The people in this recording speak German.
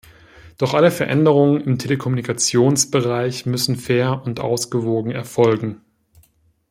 Doch alle Veränderungen im Telekommunikationsbereich müssen fair und ausgewogen erfolgen.